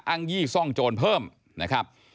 ยี่ซ่องโจรเพิ่มนะครับ